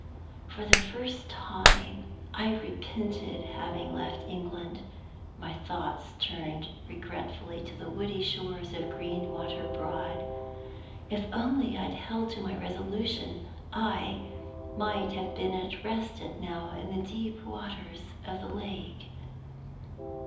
For the first time, I repented having left England. My thoughts turned regretfully to the woody shores of Greenwater Broad. If I had only held to my resolution, I might have been at rest now in the deep waters of the lake.